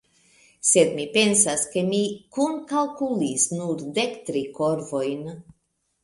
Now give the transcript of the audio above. Sed vi pensas, ke mi kunkalkulis nur dek tri korvojn?